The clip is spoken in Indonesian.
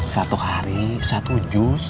satu hari satu juz